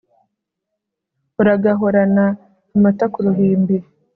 uragahorana amata k'uruhimbi